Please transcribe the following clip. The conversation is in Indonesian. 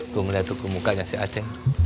tuh melihat tuh kemukanya si aceh